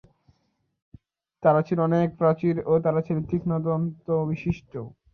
তারা ছিল অনেক প্রাচীন এবং তারা ছিল তীক্ষ্ণ-দন্তবিশিষ্ট।